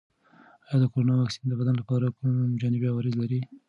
آیا د کرونا واکسین د بدن لپاره کوم جانبي عوارض لري؟